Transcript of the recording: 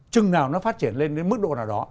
chừng nào nó phát triển lên đến mức độ nào đó